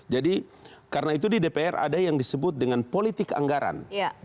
karena itu di dpr ada yang disebut dengan politik anggaran